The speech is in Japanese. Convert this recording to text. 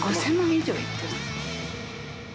以上いってる。